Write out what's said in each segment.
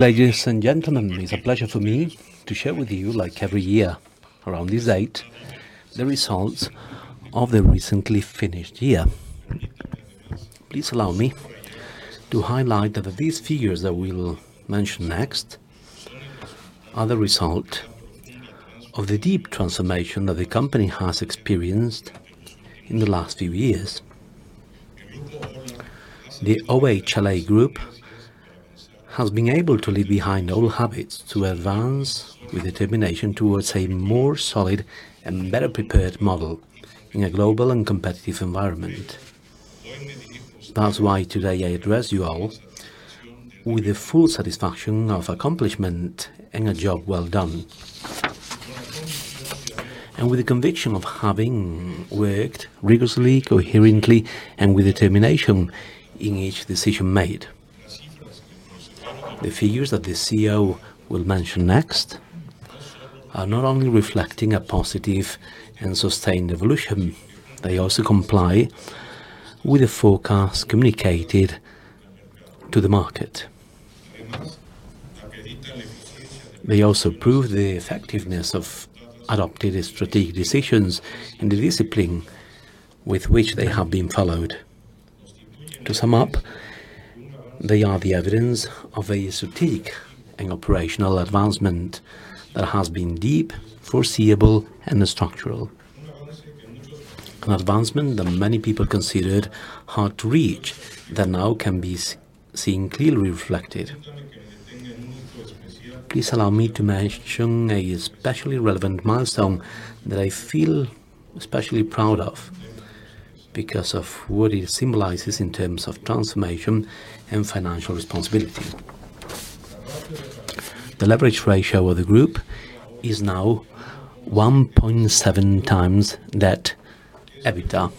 Ladies and gentlemen, it's a pleasure for me to share with you, like every year, around this date, the results of the recently finished year. Please allow me to highlight that these figures that we'll mention next are the result of the deep transformation that the company has experienced in the last few years. The OHLA Group has been able to leave behind old habits to advance with determination towards a more solid and better prepared model in a global and competitive environment. That's why today I address you all with the full satisfaction of accomplishment and a job well done, and with the conviction of having worked rigorously, coherently, and with determination in each decision made. The figures that the Chief Executive Officer will mention next are not only reflecting a positive and sustained evolution, they also comply with the forecast communicated to the market. They also prove the effectiveness of adopted strategic decisions and the discipline with which they have been followed. To sum up, they are the evidence of a strategic and operational advancement that has been deep, foreseeable, and structural. An advancement that many people considered hard to reach, that now can be seen clearly reflected. Please allow me to mention a especially relevant milestone that I feel especially proud of because of what it symbolizes in terms of transformation and financial responsibility. The leverage ratio of the group is now 1.7 times that EBITDA.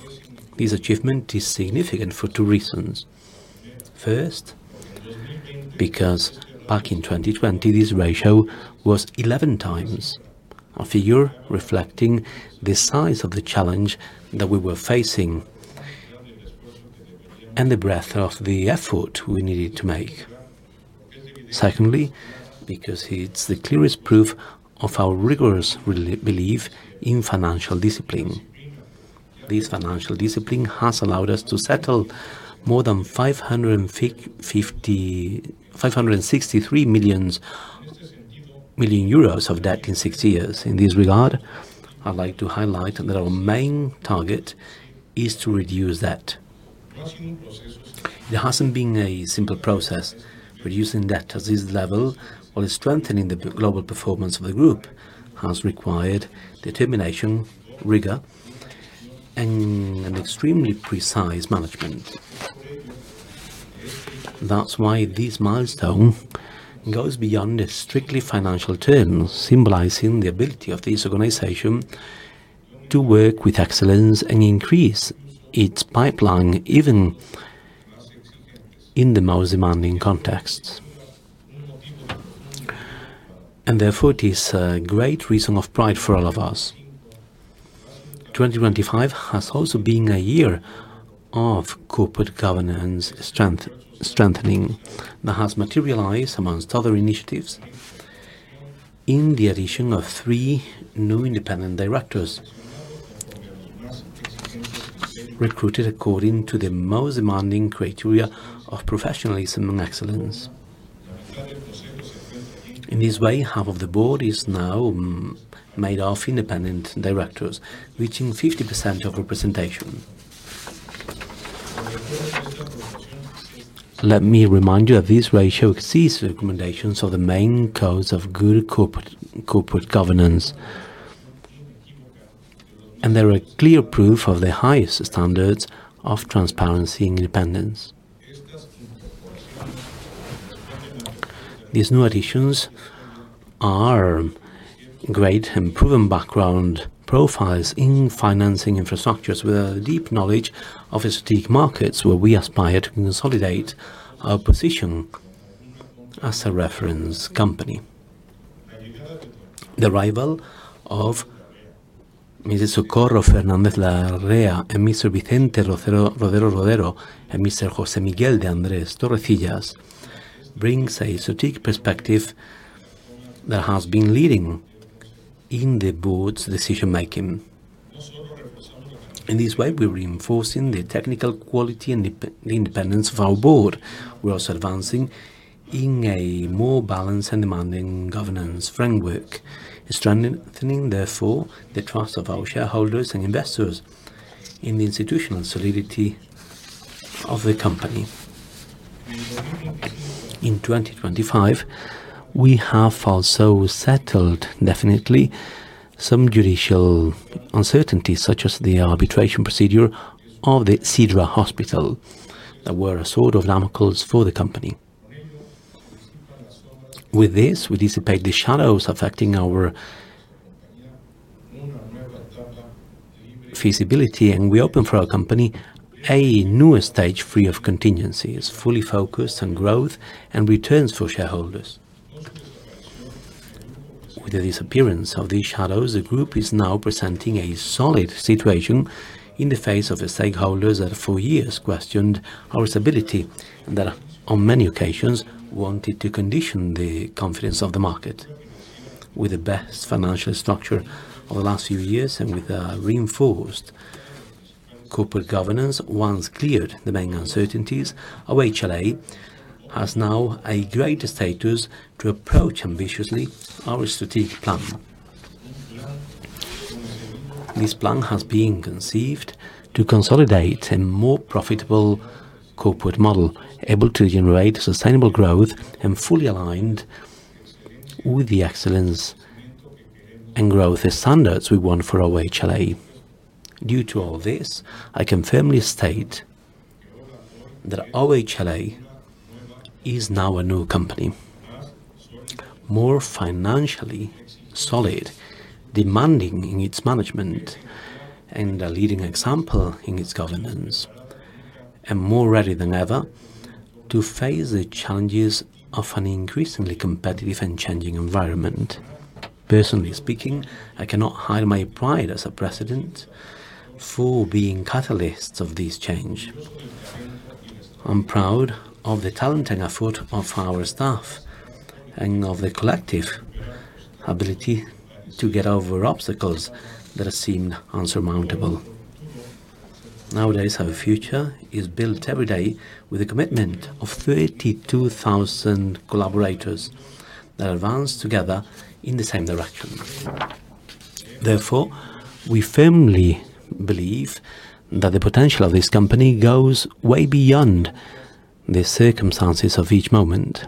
This achievement is significant for two reasons. First, because back in 2020, this ratio was 11 times, a figure reflecting the size of the challenge that we were facing and the breadth of the effort we needed to make. Secondly, because it's the clearest proof of our rigorous belief in financial discipline. This financial discipline has allowed us to settle more than 563 million of debt in six-years. In this regard, I'd like to highlight that our main target is to reduce debt. It hasn't been a simple process. Reducing debt to this level, while strengthening the global performance of the group, has required determination, rigor, and an extremely precise management. That's why this milestone goes beyond the strictly financial terms, symbolizing the ability of this organization to work with excellence and increase its pipeline, even in the most demanding contexts. Therefore, it is a great reason of pride for all of us. 2025 has also been a year of corporate governance strengthening, that has materialized, among other initiatives, in the addition of three new independent directors, recruited according to the most demanding criteria of professionalism and excellence. In this way, half of the board is now made of independent directors, reaching 50% of representation. Let me remind you that this ratio exceeds the recommendations of the main codes of good corporate governance. They're a clear proof of the highest standards of transparency and independence. These new additions are great and proven background profiles in financing infrastructures with a deep knowledge of strategic markets, where we aspire to consolidate our position as a reference company. The arrival of Mrs. Socorro Fernández Larrea and Mr. Vicente Rodero Rodero, and Mr. José Miguel de Andrés Torrecillas, brings a strategic perspective that has been leading in the board's decision-making. In this way, we're reinforcing the technical quality and the independence of our board. We're also advancing in a more balanced and demanding governance framework, strengthening, therefore, the trust of our shareholders and investors in the institutional solidity of the company. In 2025, we have also settled definitely some judicial uncertainties, such as the arbitration procedure of the Sidra Hospital, that were a sword of Damocles for the company. With this, we dissipate the shadows affecting our feasibility, and we open for our company a newer stage, free of contingencies, fully focused on growth and returns for shareholders. With the disappearance of these shadows, the group is now presenting a solid situation in the face of the stakeholders that for years questioned our stability, and that on many occasions, wanted to condition the confidence of the market. With the best financial structure over the last few years and with a reinforced corporate governance, once cleared, the main uncertainties, OHLA has now a greater status to approach ambitiously our strategic plan. This plan has been conceived to consolidate a more profitable corporate model, able to generate sustainable growth and fully aligned with the excellence and growth standards we want for OHLA. Due to all this, I can firmly state that OHLA is now a new company, more financially solid, demanding in its management, and a leading example in its governance, and more ready than ever to face the challenges of an increasingly competitive and changing environment. Personally speaking, I cannot hide my pride as a president for being catalysts of this change. I'm proud of the talent and effort of our staff, and of the collective ability to get over obstacles that have seemed insurmountable. Nowadays, our future is built every day with a commitment of 32,000 collaborators that advance together in the same direction. Therefore, we firmly believe that the potential of this company goes way beyond the circumstances of each moment,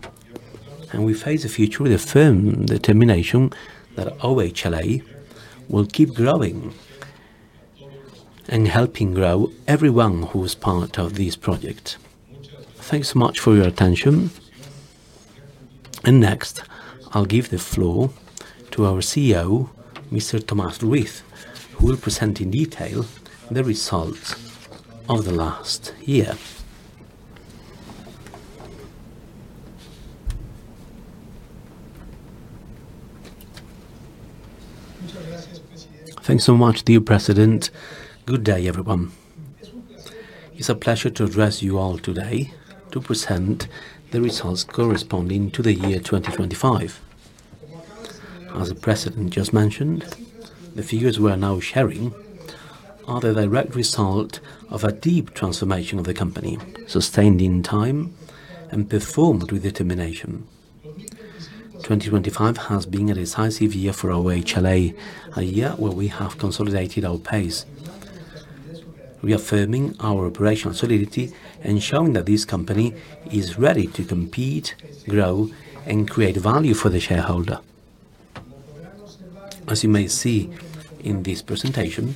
and we face the future with a firm determination that OHLA will keep growing and helping grow everyone who is part of this project. Thanks so much for your attention. Next, I'll give the floor to our Chief Executive Officer, Mr. Tomás Ruiz, who will present in detail the results of the last year. Thanks so much, dear President. Good day, everyone. It's a pleasure to address you all today to present the results corresponding to the year 2025. As the President just mentioned, the figures we're now sharing are the direct result of a deep transformation of the company, sustained in time and performed with determination. 2025 has been a decisive year for OHLA, a year where we have consolidated our pace, reaffirming our operational solidity, and showing that this company is ready to compete, grow, and create value for the shareholder. As you may see in this presentation,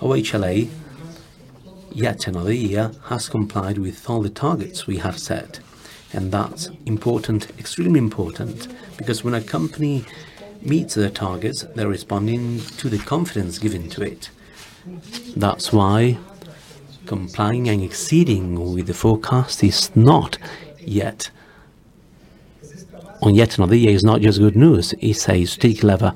OHLA, yet another year, has complied with all the targets we have set. That's important, extremely important, because when a company meets their targets, they're responding to the confidence given to it. That's why complying and exceeding with the forecast, on yet another year, is not just good news, it's a strategic level.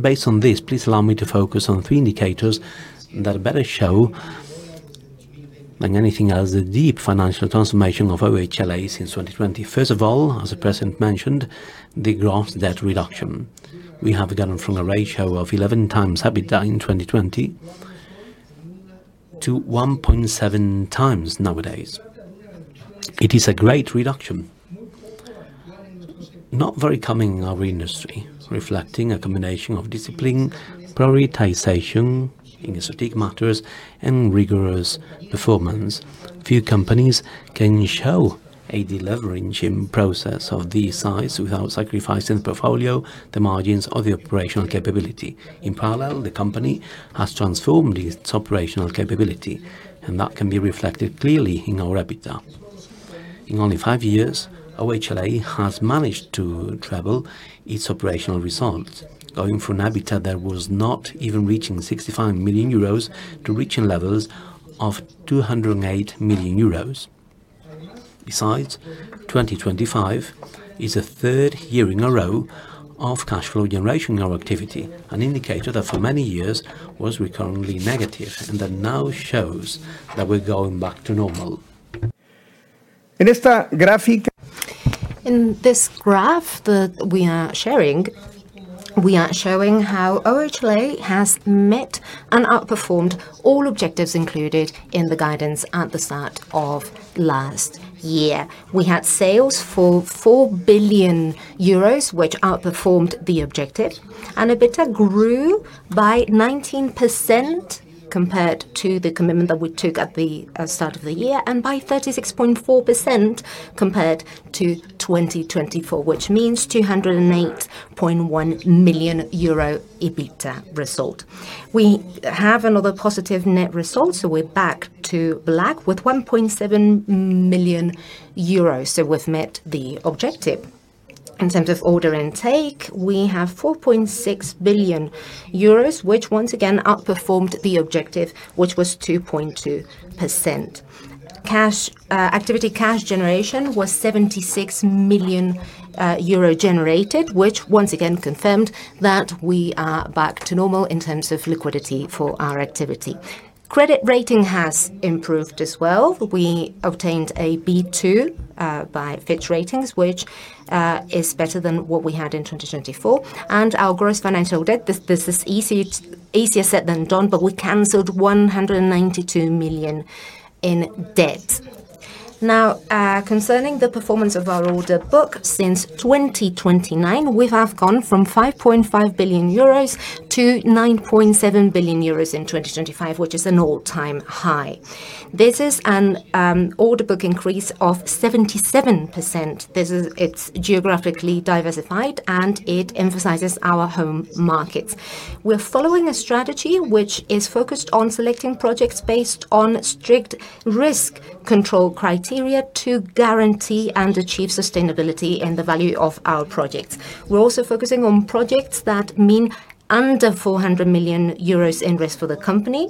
Based on this, please allow me to focus on three indicators that better show than anything else, the deep financial transformation of OHLA since 2020. First of all, as the President mentioned, the gross debt reduction. We have gone from a ratio of 11 times EBITDA in 2020 to 1.7 times nowadays. It is a great reduction, not very common in our industry, reflecting a combination of discipline, prioritization in strategic matters, and rigorous performance. Few companies can show a deleveraging process of this size without sacrificing the portfolio, the margins or the operational capability. In parallel, the company has transformed its operational capability. That can be reflected clearly in our EBITDA. In only five-years, OHLA has managed to travel its operational results, going from an EBITDA that was not even reaching 65 million euros to reaching levels of 208 million euros. Besides, 2025 is a third year in a row of cash flow generation or activity, an indicator that for many years was recurrently negative. That now shows that we're going back to normal. In this graph that we are sharing, we are showing how OHLA has met and outperformed all objectives included in the guidance at the start of last year. We had sales for 4 billion euros, which outperformed the objective, and EBITDA grew by 19% compared to the commitment that we took at the start of the year, and by 36.4% compared to 2024, which means 208.1 million euro EBITDA result. We have another positive net result, so we're back to black with 1.7 million euros, so we've met the objective. In terms of order intake, we have 4.6 billion euros, which once again outperformed the objective, which was 2.2%. Cash activity, cash generation was 76 million euro generated, which once again confirmed that we are back to normal in terms of liquidity for our activity. Credit rating has improved as well. We obtained a B2 by Fitch Ratings, which is better than what we had in 2024. Our gross financial debt, this is easier said than done, but we canceled 192 million in debt. Concerning the performance of our order book, since 2029, we have gone from 5.5 billion euros to 9.7 billion euros in 2025, which is an all-time high. This is an order book increase of 77%. It's geographically diversified, and it emphasizes our home markets. We're following a strategy which is focused on selecting projects based on strict risk control criteria to guarantee and achieve sustainability and the value of our projects. We're also focusing on projects that mean under 400 million euros in risk for the company.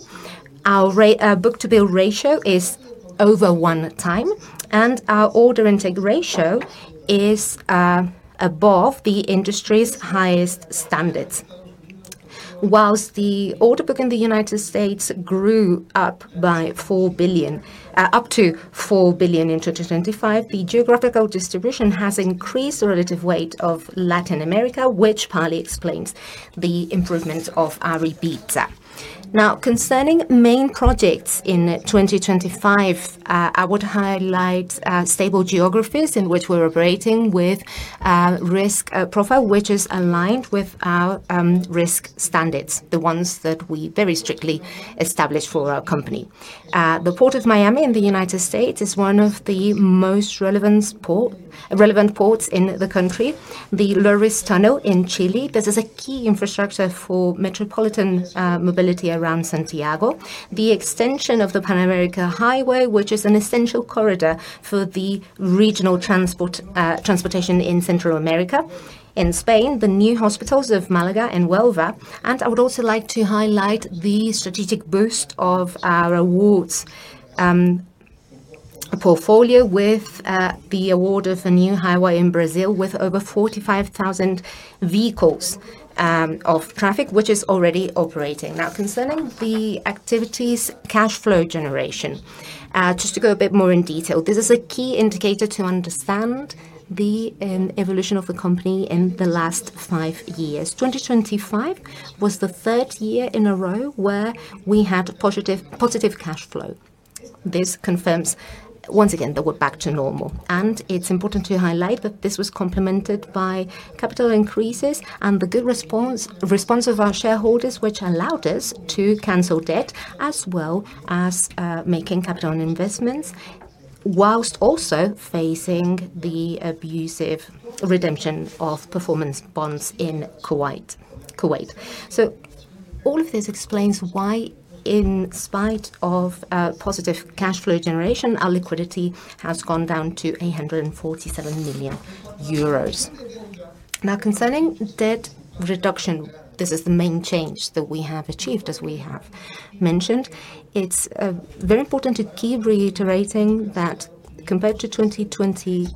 Our book-to-bill ratio is over 1 time, and our order intake ratio is above the industry's highest standards. Whilst the order book in the United States grew up by 4 billion up to 4 billion in 2025, the geographical distribution has increased the relative weight of Latin America, which partly explains the improvement of our EBITDA. Now, concerning main projects in 2025, I would highlight stable geographies in which we're operating with risk profile, which is aligned with our risk standards, the ones that we very strictly established for our company. The Port of Miami in the United States is one of the most relevant ports in the country. The Lo Ruiz Tunnel in Chile, this is a key infrastructure for metropolitan mobility around Santiago. The extension of the Pan American Highway, which is an essential corridor for the regional transportation in Central America. In Spain, the new hospitals of Málaga and Huelva. I would also like to highlight the strategic boost of our awards portfolio with the award of a new highway in Brazil with over 45,000 vehicles of traffic, which is already operating. Concerning the activities' cash flow generation, just to go a bit more in detail, this is a key indicator to understand the evolution of the company in the last five years. 2025 was the third year in a row where we had positive cash flow. This confirms once again that we're back to normal, and it's important to highlight that this was complemented by capital increases and the good response of our shareholders, which allowed us to cancel debt as well as making capital investments, whilst also facing the abusive redemption of performance bonds in Kuwait. All of this explains why, in spite of positive cash flow generation, our liquidity has gone down to 847 million euros. Concerning debt reduction, this is the main change that we have achieved, as we have mentioned. It's very important to keep reiterating that compared to 2020,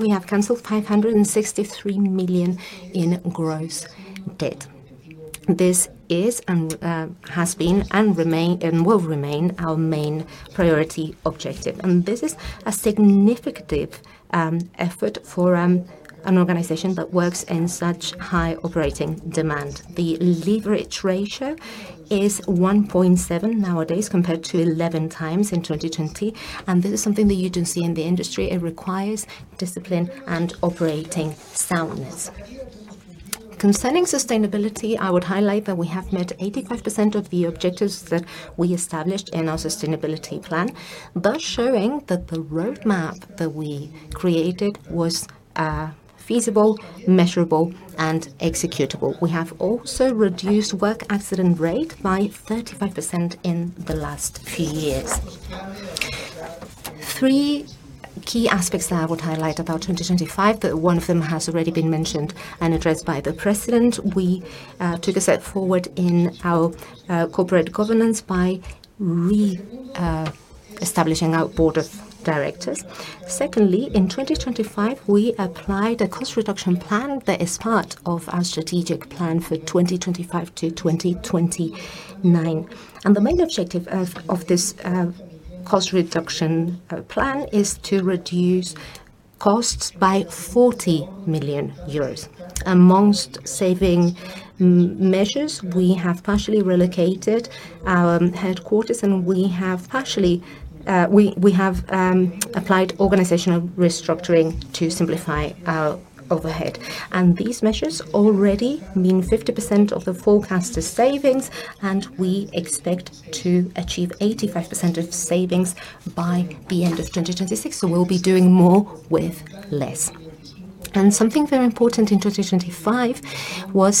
we have cancelled 563 million in gross debt. This is and has been and remain, and will remain our main priority objective, and this is a significant effort for an organization that works in such high operating demand. The leverage ratio is 1.7 nowadays, compared to 11 times in 2020. This is something that you don't see in the industry. It requires discipline and operating soundness. Concerning sustainability, I would highlight that we have met 85% of the objectives that we established in our sustainability plan, thus showing that the roadmap that we created was feasible, measurable, and executable. We have also reduced work accident rate by 35% in the last few years. Three key aspects that I would highlight about 2025, that one of them has already been mentioned and addressed by the president, we took a step forward in our corporate governance by reestablishing our board of directors. Secondly, in 2025, we applied a cost reduction plan that is part of our strategic plan for 2025-2029. The main objective of this cost reduction plan is to reduce costs by 40 million euros. Amongst saving measures, we have partially relocated our headquarters, and we have partially, we have applied organizational restructuring to simplify our overhead. These measures already mean 50% of the forecast is savings, and we expect to achieve 85% of savings by the end of 2026. We'll be doing more with less. Something very important in 2025 was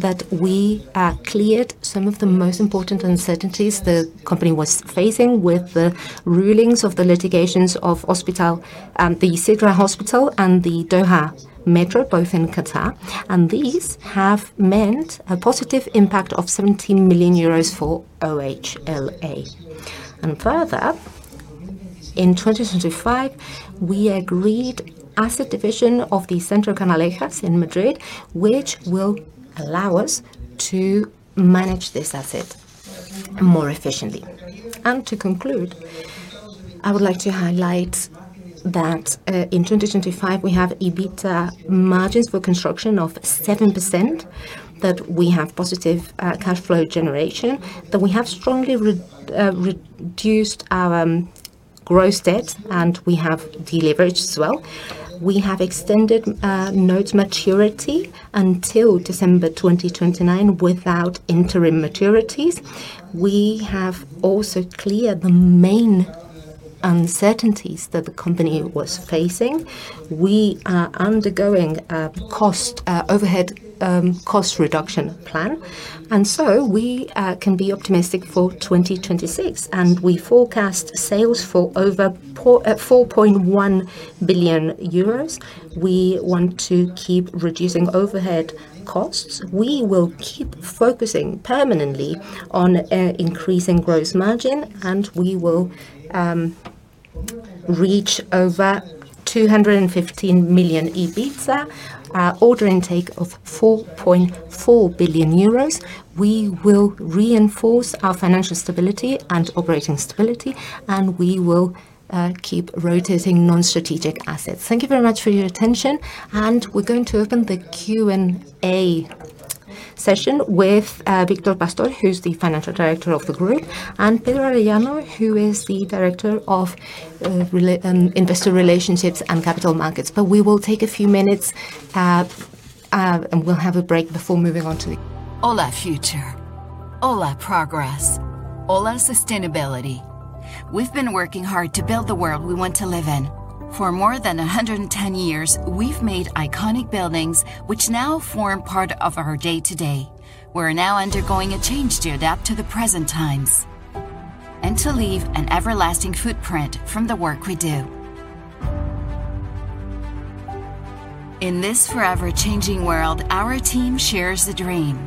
that we cleared some of the most important uncertainties the company was facing with the rulings of the litigations of hospital, the Sidra Hospital and the Doha Metro, both in Qatar, and these have meant a positive impact of 17 million euros for OHLA. Further, in 2025, we agreed asset division of the Centro Canalejas in Madrid, which will allow us to manage this asset more efficiently. To conclude, I would like to highlight that in 2025, we have EBITDA margins for construction of 7%, that we have positive cash flow generation, that we have strongly reduced our gross debt, and we have deleveraged as well. We have extended notes maturity until December 2029 without interim maturities. We have also cleared the main uncertainties that the company was facing. We are undergoing a cost reduction plan. We can be optimistic for 2026. We forecast sales for over 4.1 billion euros. We want to keep reducing overhead costs. We will keep focusing permanently on increasing gross margin. We will reach over 215 million EBITDA, order intake of 4.4 billion euros. We will reinforce our financial stability and operating stability. We will keep rotating non-strategic assets. Thank you very much for your attention. We are going to open the Q&A session with Víctor Pastor, who is the financial director of the group, and Pedro Arellano, who is the director of investor relationships and capital markets. We will take a few minutes, and we'll have a break before moving on. Hola, future. Hola, progress. Hola, sustainability. We've been working hard to build the world we want to live in. For more than 110 years, we've made iconic buildings which now form part of our day-to-day. We're now undergoing a change to adapt to the present times and to leave an everlasting footprint from the work we do. In this forever changing world, our team shares the dream: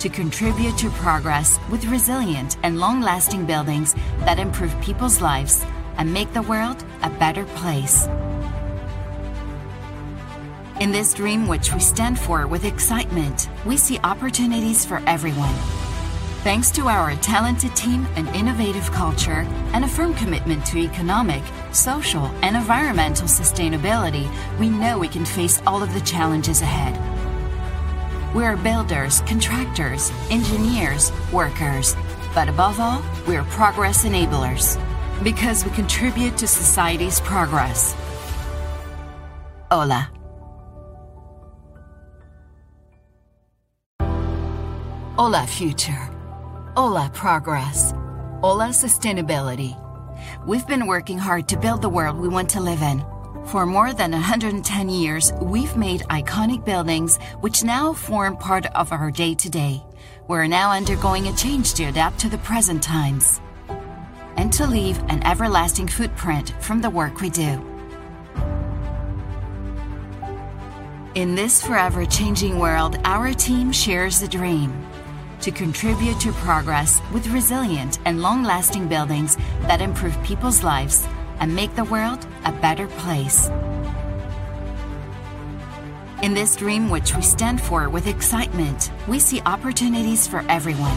to contribute to progress with resilient and long-lasting buildings that improve people's lives and make the world a better place. In this dream, which we stand for with excitement, we see opportunities for everyone.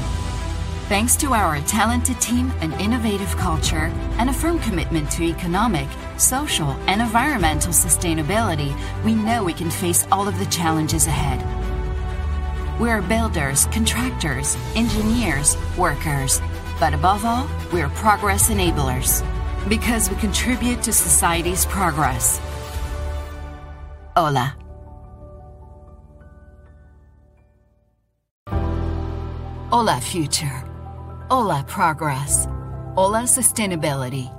Thanks to our talented team and innovative culture, and a firm commitment to economic, social, and environmental sustainability, we know we can face all of the challenges ahead. We are builders, contractors, engineers, workers, but above all, we are progress enablers because we contribute to society's progress. Hola! Hola, future. Hola, progress. Hola, sustainability.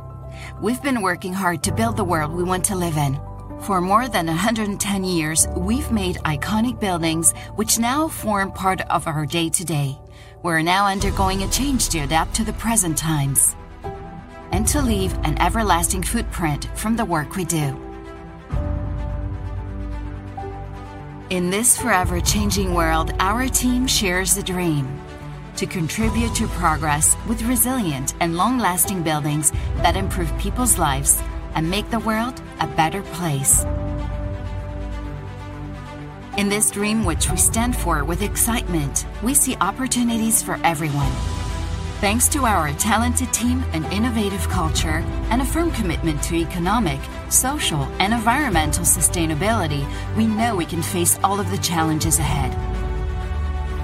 We've been working hard to build the world we want to live in. For more than 110 years, we've made iconic buildings, which now form part of our day-to-day. We're now undergoing a change to adapt to the present times and to leave an everlasting footprint from the work we do. In this forever changing world, our team shares the dream: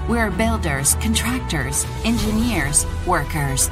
We're builders, contractors, engineers, workers.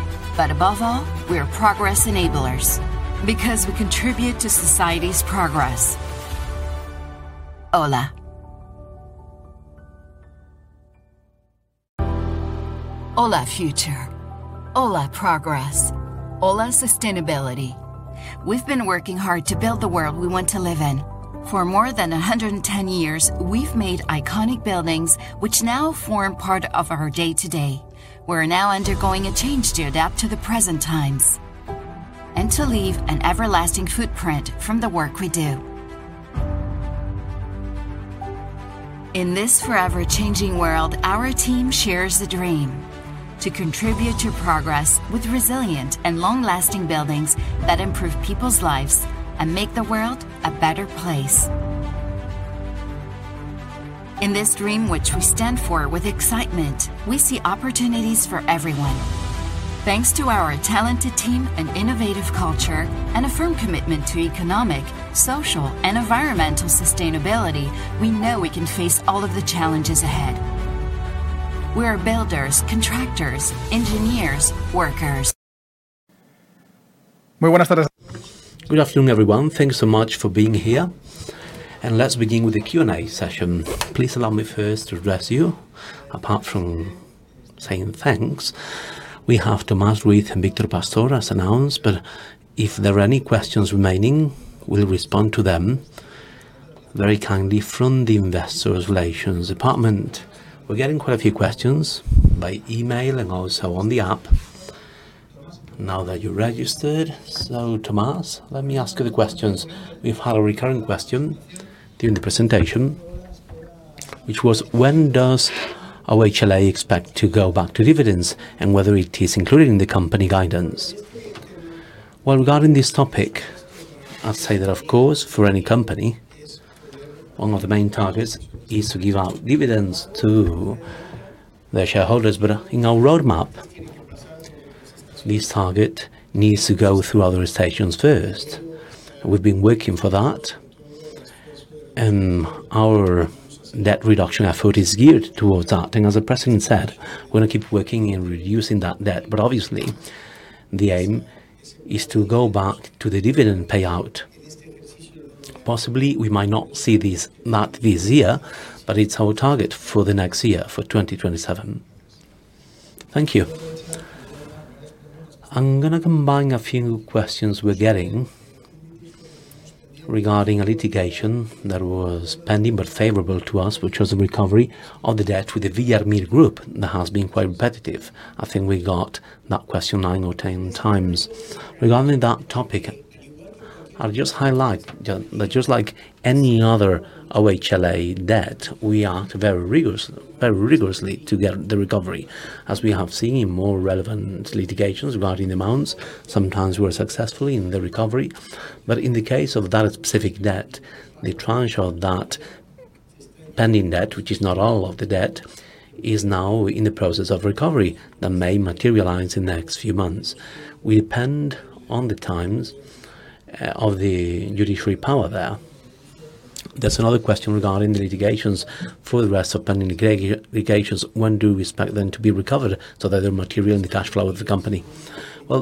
Good afternoon, everyone. Thanks so much for being here. Let's begin with the Q&A session. Please allow me first to address you. Apart from saying thanks, we have Tomás with Víctor Pastor, as announced. If there are any questions remaining, we'll respond to them very kindly from the Investors Relations department. We're getting quite a few questions by email and also on the app, now that you're registered. Tomás, let me ask you the questions. We've had a recurring question during the presentation, which was: When does OHLA expect to go back to dividends, and whether it is included in the company guidance? Regarding this topic, I'd say that, of course, for any company, one of the main targets is to give out dividends to their shareholders. In our roadmap, this target needs to go through other stations first. We've been working for that, our debt reduction effort is geared towards that. As the president said, we're going to keep working in reducing that debt, but obviously, the aim is to go back to the dividend payout. Possibly, we might not see this, not this year, but it's our target for the next year, for 2027. Thank you. I'm gonna combine a few questions we're getting regarding a litigation that was pending but favorable to us, which was the recovery of the debt with the Grupo Villar Mir, that has been quite repetitive. I think we got that question nine or 10 times. Regarding that topic, I'll just highlight that just like any other OHLA debt, we act very rigorously to get the recovery, as we have seen in more relevant litigations regarding the amounts. Sometimes we're successful in the recovery. In the case of that specific debt, the tranche of that pending debt, which is not all of the debt, is now in the process of recovery, that may materialize in the next few months. We depend on the times of the judiciary power there. There's another question regarding the litigations. For the rest of pending litigations, when do we expect them to be recovered so that they materialize in the cash flow of the company?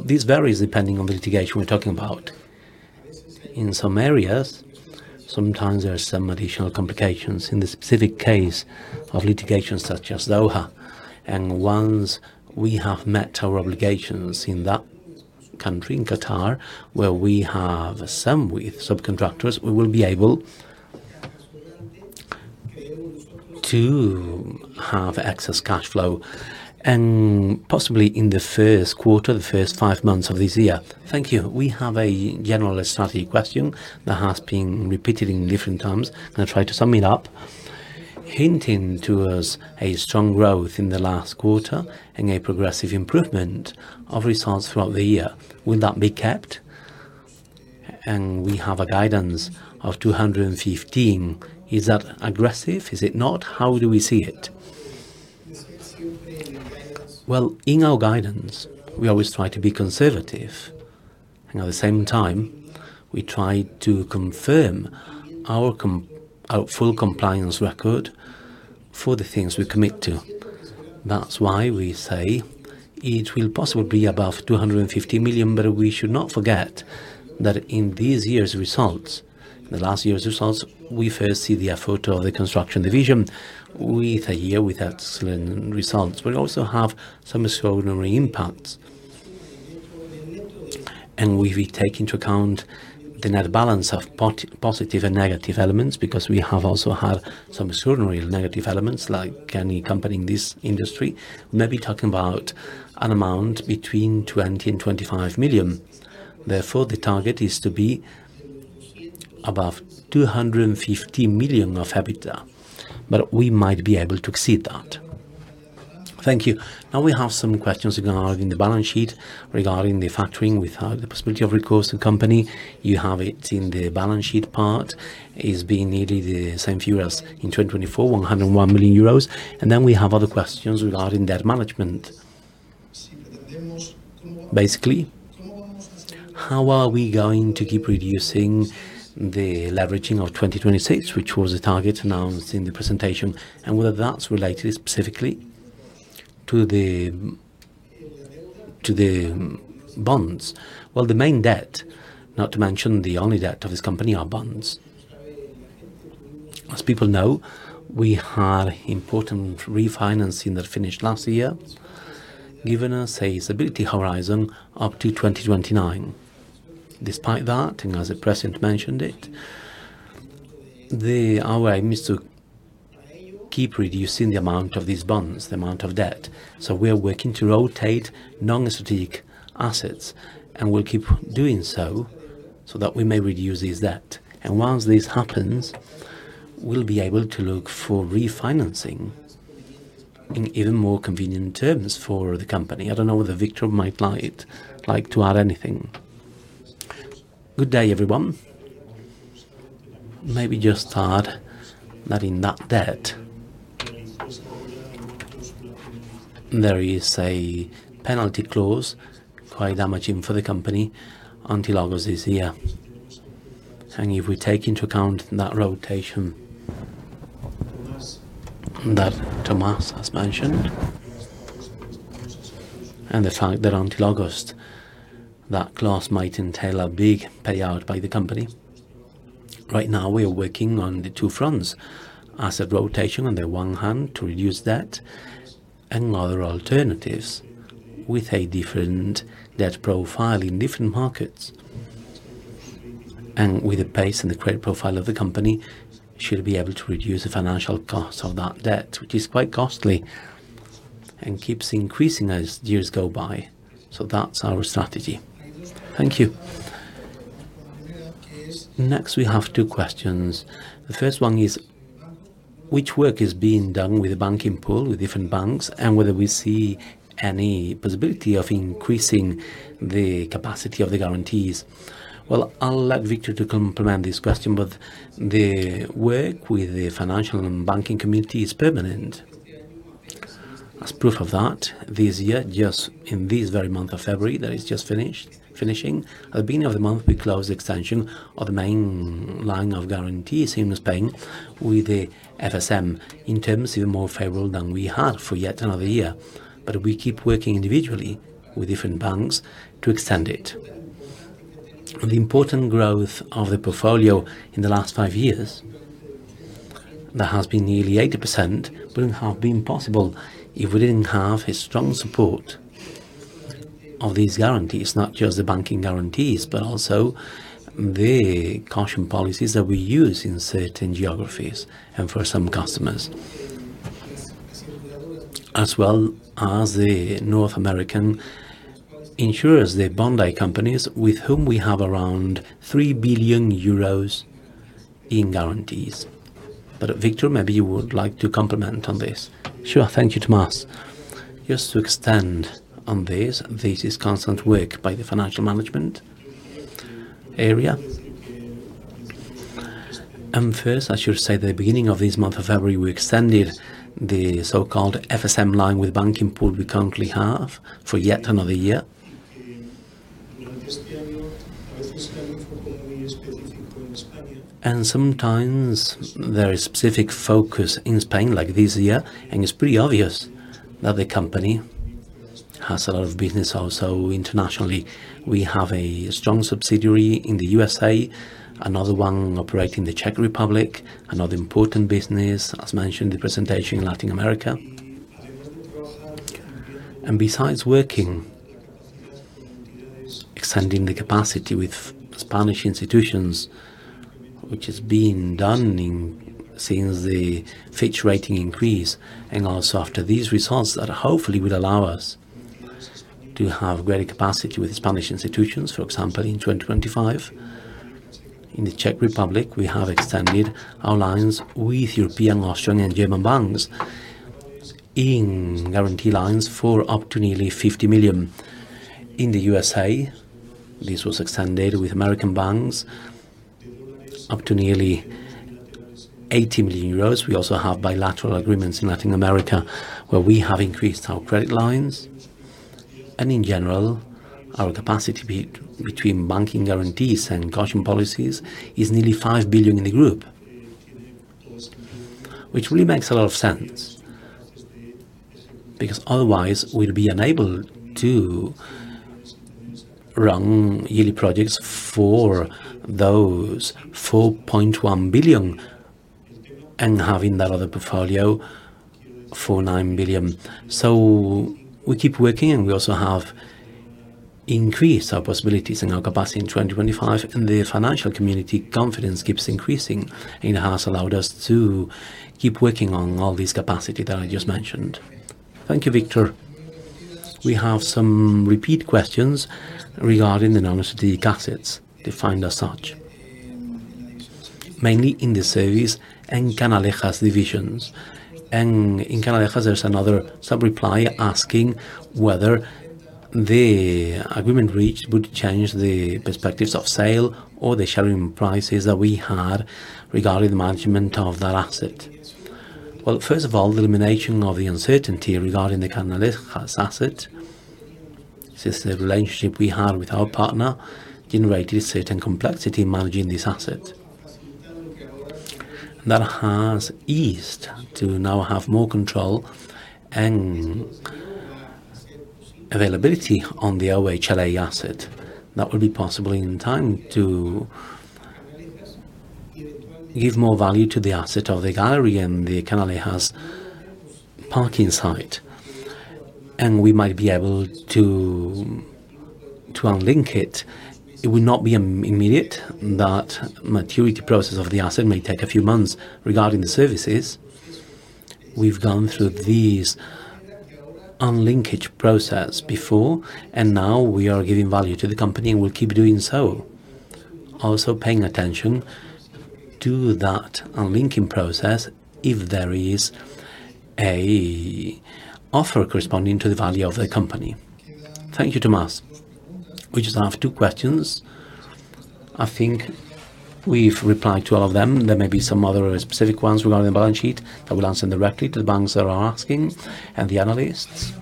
This varies depending on the litigation we're talking about. In some areas, sometimes there are some additional complications. In the specific case of litigations such as Doha, and once we have met our obligations in that country, in Qatar, where we have some with subcontractors, we will be able to have excess cash flow, and possibly in the first quarter, the first five months of this year. Thank you. We have a general strategic question that has been repeated in different terms, and I'll try to sum it up. Hinting to us a strong growth in the last quarter and a progressive improvement of results throughout the year, will that be kept? We have a guidance of 215. Is that aggressive? Is it not? How do we see it? Well, in our guidance, we always try to be conservative, and at the same time, we try to confirm our full compliance record for the things we commit to. That's why we say it will possibly be above 250 million, but we should not forget that in this year's results, in the last year's results, we first see the effort of the construction division with a year with excellent results. We also have some extraordinary impacts. If we take into account the net balance of positive and negative elements, because we have also had some extraordinary negative elements, like any company in this industry, maybe talking about an amount between 20 million and 25 million. Therefore, the target is to be above 250 million of EBITDA, but we might be able to exceed that. Thank you. We have some questions regarding the balance sheet, regarding the factoring without the possibility of recourse to company. You have it in the balance sheet part, is being nearly the same figure as in 2024, 101 million euros. Then we have other questions regarding debt management. Basically, how are we going to keep reducing the leveraging of 2026, which was the target announced in the presentation, and whether that's related specifically to the bonds? Well, the main debt, not to mention the only debt of this company, are bonds. As people know, we had important refinancing that finished last year, giving us a stability horizon up to 2029. Despite that, as the president mentioned it, our way is to keep reducing the amount of these bonds, the amount of debt. We are working to rotate non-strategic assets, and we'll keep doing so that we may reduce this debt. Once this happens, we'll be able to look for refinancing in even more convenient terms for the company. I don't know whether Víctor might like to add anything. Good day, everyone. Maybe just add that in that debt, there is a penalty clause, quite damaging for the company, until August this year. If we take into account that rotation that Tomás has mentioned, and the fact that until August, that clause might entail a big payout by the company. Right now, we are working on the two fronts: asset rotation on the one hand, to reduce debt, and other alternatives with a different debt profile in different markets. With the base and the credit profile of the company, should be able to reduce the financial cost of that debt, which is quite costly and keeps increasing as years go by. That's our strategy. Thank you. Next, we have two questions. The first one is: Which work is being done with the banking pool, with different banks, and whether we see any possibility of increasing the capacity of the guarantees? Well, I'll allow Víctor to complement this question, but the work with the financial and banking community is permanent. As proof of that, this year, just in this very month of February, that is just finished, at the beginning of the month, we closed the extension of the main line of guarantees in Spain with the FSM, in terms even more favorable than we had for yet another year. We keep working individually with different banks to extend it. The important growth of the portfolio in the last five-years, that has been nearly 80%, wouldn't have been possible if we didn't have a strong support of these guarantees. Not just the banking guarantees, but also the surety policies that we use in certain geographies and for some customers, as well as the North American insurers, the bonding companies, with whom we have around 3 billion euros in guarantees. Víctor, maybe you would like to complement on this. Sure. Thank you, Tomás. Just to extend on this is constant work by the financial management area. First, I should say, the beginning of this month of February, we extended the so-called FSM line with the banking pool we currently have for yet another year. Sometimes there is specific focus in Spain, like this year, and it's pretty obvious that the company has a lot of business also internationally. We have a strong subsidiary in the USA, another one operating in the Czech Republic, another important business, as mentioned in the presentation, Latin America. Besides working, extending the capacity with Spanish institutions, which is being done since the Fitch rating increase, and also after these results, that hopefully will allow us to have greater capacity with Spanish institutions. For example, in 2025, in the Czech Republic, we have extended our lines with European, Austrian, and German banks in guarantee lines for up to nearly 50 million. In the USA, this was extended with American banks up to nearly 80 million euros. We also have bilateral agreements in Latin America, where we have increased our credit lines. In general, our capacity between banking guarantees and surety policies is nearly 5 billion in the group. Which really makes a lot of sense, because otherwise, we'll be unable to run yearly projects for those 4.1 billion and having that other portfolio, 4.9 billion. We keep working, and we also have increased our possibilities and our capacity in 2025, and the financial community confidence keeps increasing, and it has allowed us to keep working on all this capacity that I just mentioned. Thank you, Victor. We have some repeat questions regarding the non-strategic assets, defined as such. Mainly in the Servicios and Canalejas divisions. In Canalejas, there's another sub-reply asking whether the agreement reached would change the perspectives of sale or the sharing prices that we had regarding the management of that asset. Well, first of all, the elimination of the uncertainty regarding the Canalejas asset, since the relationship we had with our partner generated certain complexity in managing this asset. That has eased to now have more control, availability on the OHLA asset, that will be possible in time to give more value to the asset of the gallery, and the Canalejas park inside. We might be able to unlink it. It will not be immediate, that maturity process of the asset may take a few months. Regarding the services, we've gone through these unlinkage process before. Now we are giving value to the company and we'll keep doing so. Paying attention to that unlinking process if there is a offer corresponding to the value of the company. Thank you, Thomas. We just have two questions. I think we've replied to all of them. There may be some other specific ones regarding the balance sheet. I will answer directly to the banks that are asking and the analysts.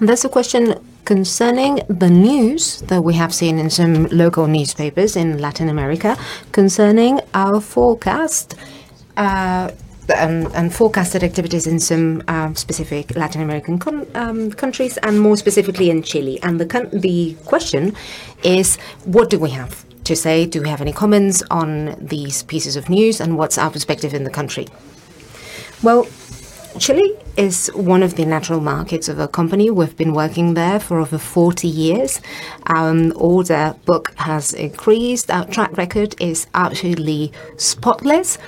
There's a question concerning the news that we have seen in some local newspapers in Latin America, concerning our forecast and forecasted activities in some specific Latin American countries, and more specifically in Chile. The question is: What do we have to say? Do we have any comments on these pieces of news, and what's our perspective in the country? Well, Chile is one of the natural markets of the company. We've been working there for over 40 years. All the book has increased. Our track record is absolutely spotless,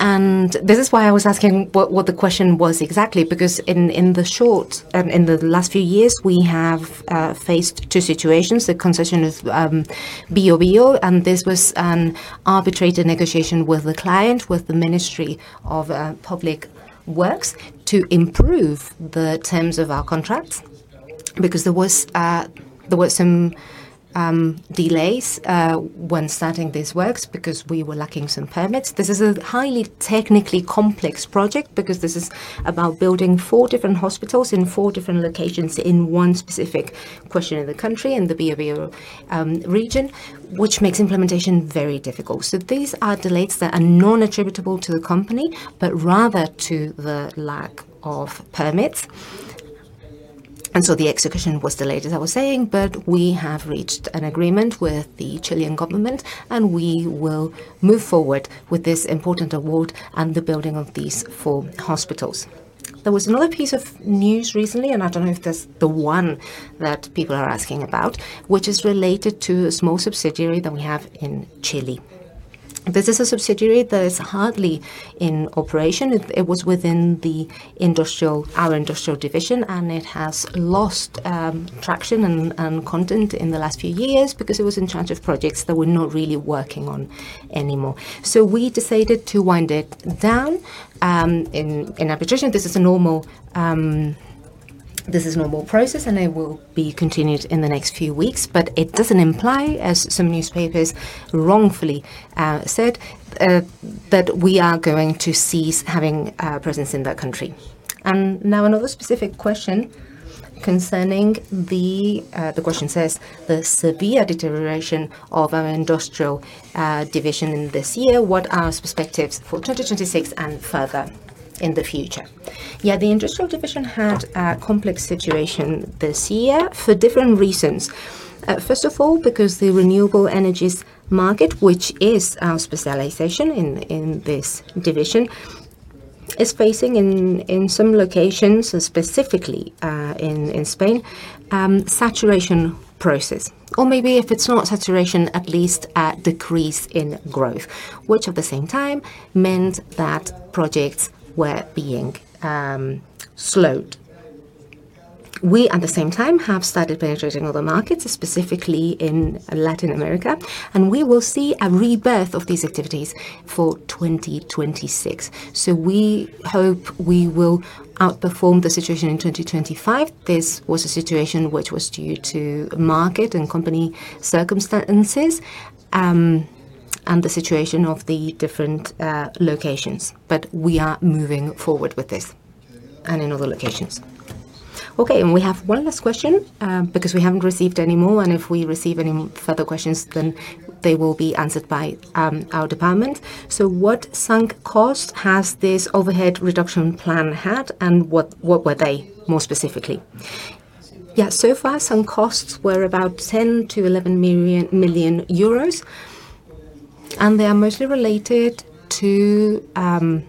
and this is why I was asking what the question was exactly. In the short, in the last few years, we have faced two situations: The concession of Biobío, this was arbitrated negotiation with the client, with the Ministry of Public Works, to improve the terms of our contract. There were some delays when starting these works because we were lacking some permits. This is a highly technically complex project, because this is about building four different hospitals in four different locations in one specific portion of the country, in the Biobío region, which makes implementation very difficult. These are delays that are non-attributable to the company, but rather to the lack of permits. The execution was delayed, as I was saying, but we have reached an agreement with the Chilean Government, and we will move forward with this important award and the building of these 4 hospitals. There was another piece of news recently, and I don't know if that's the one that people are asking about, which is related to a small subsidiary that we have in Chile. This is a subsidiary that is hardly in operation. It was within the industrial, our industrial division, and it has lost traction and content in the last few years because it was in charge of projects that we're not really working on anymore. We decided to wind it down in our petition. This is a normal, this is normal process, and it will be continued in the next few weeks, but it doesn't imply, as some newspapers wrongfully said, that we are going to cease having a presence in that country. Now, another specific question concerning. The question says: The severe deterioration of our industrial division in this year, what are our perspectives for 2026 and further in the future? Yeah, the industrial division had a complex situation this year for different reasons. First of all, because the renewable energies market, which is our specialization in this division, is facing in some locations, specifically in Spain, saturation process. Maybe if it's not saturation, at least a decrease in growth, which at the same time meant that projects were being slowed. We, at the same time, have started penetrating other markets, specifically in Latin America, and we will see a rebirth of these activities for 2026. We hope we will outperform the situation in 2025. This was a situation which was due to market and company circumstances, and the situation of the different locations. We are moving forward with this and in other locations. Okay, and we have one last question, because we haven't received any more, and if we receive any further questions, then they will be answered by our department. What sunk cost has this overhead reduction plan had, and what were they, more specifically? Yeah. So far, some costs were about 10 million-11 million euros, and they are mostly related to some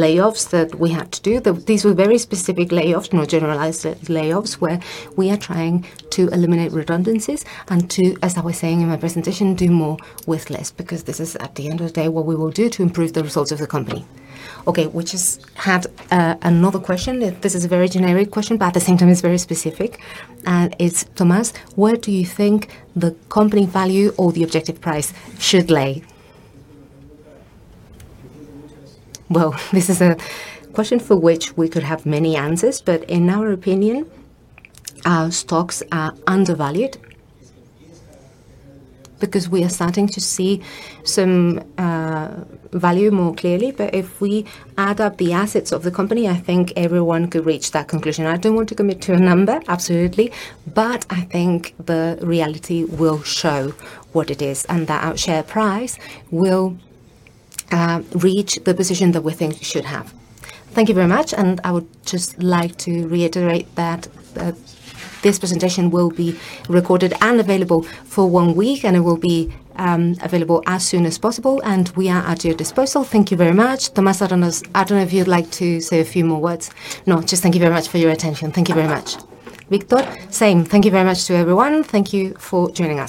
layoffs that we had to do. These were very specific layoffs, not generalized layoffs, where we are trying to eliminate redundancies and to, as I was saying in my presentation, do more with less, because this is, at the end of the day, what we will do to improve the results of the company. Okay. We just had another question. This is a very generic question, but at the same time, it's very specific, and it's, "Thomas, where do you think the company value or the objective price should lay?" Well, this is a question for which we could have many answers, but in our opinion, our stocks are undervalued because we are starting to see some value more clearly. But if we add up the assets of the company, I think everyone could reach that conclusion. I don't want to commit to a number, absolutely, but I think the reality will show what it is, and that our share price will reach the position that we think it should have. Thank you very much, and I would just like to reiterate that this presentation will be recorded and available for one week, and it will be available as soon as possible, and we are at your disposal. Thank you very much. Thomas, I don't know if you'd like to say a few more words. No, just thank you very much for your attention. Thank you very much. Victor? Same. Thank you very much to everyone. Thank you for joining us.